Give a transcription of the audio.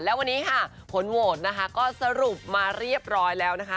แล้ววันนี้ค่ะผลโหวตนะคะก็สรุปมาเรียบร้อยแล้วนะคะ